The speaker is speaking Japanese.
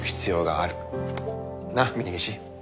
なっ峰岸。